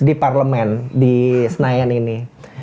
di parlemen di senayan ini